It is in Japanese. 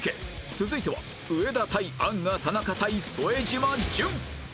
続いては上田対アンガ田中対副島淳